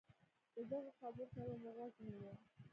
د هغه خبرو ته به مو غوږ نيوه.